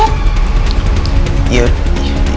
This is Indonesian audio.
aku gak mau pergi